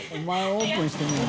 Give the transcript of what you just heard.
オープンしてみろ」